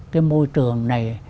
cái môi trường này